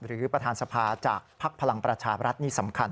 ประธานสภาจากภักดิ์พลังประชาบรัฐนี่สำคัญ